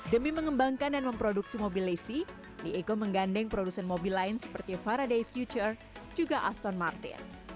demi mengembangkan dan memproduksi mobil lacey leeco menggandeng produsen mobil lain seperti faraday future juga aston martin